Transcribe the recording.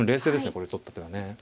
これを取った手はね。